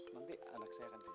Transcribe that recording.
nanti anak saya akan ke